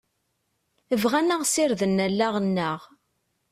Bɣan ad ɣ-sirden allaɣ-nneɣ.